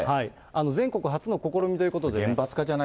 全国初の試みということで。